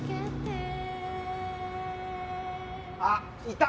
あっいた！